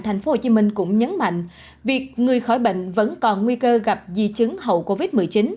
tp hcm cũng nhấn mạnh việc người khỏi bệnh vẫn còn nguy cơ gặp di chứng hậu covid một mươi chín